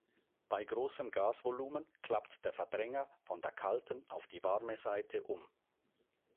Bei großem Gasvolumen klappt der Verdränger von der kalten auf die warme Seite um.